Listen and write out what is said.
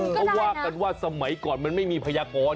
เขาว่ากันว่าสมัยก่อนมันไม่มีพยากร